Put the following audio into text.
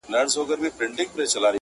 o په اُمید د مغفرت دي د کرم رحم مالِکه,